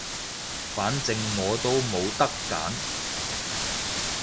反正我都冇得揀